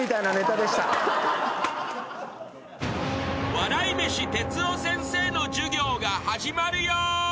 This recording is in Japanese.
［笑い飯哲夫先生の授業が始まるよ］